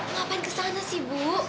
ngapain kesana sih ibu